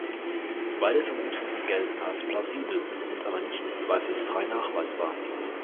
Beide Vermutungen gelten als plausibel, sind aber nicht zweifelsfrei nachweisbar.